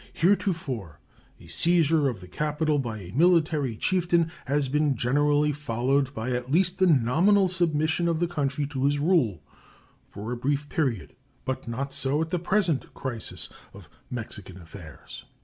Heretofore a seizure of the capital by a military chieftain has been generally followed by at least the nominal submission of the country to his rule for a brief period, but not so at the present crisis of Mexican affairs.